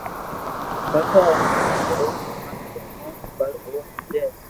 پسي اوني ھين روز ھماجو ھون پر او ھمجي